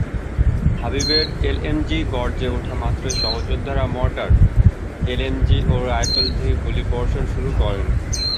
হাবিবের এলএমজি গর্জে ওঠা মাত্র সহযোদ্ধারা মর্টার, এলএমজি ও রাইফেল থেকে গুলিবর্ষণ শুরু করেন।